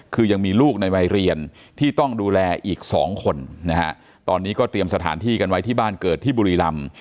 คือยังมีลูกในวัยเรียนที่ต้องดูแลอีกสองคนนะฮะตอนนี้ก็เตรียมสถานที่กันไว้ที่บ้านเกิดที่บุรีรำ